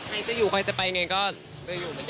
ใครจะอยู่คนจะไปไงก็อยู่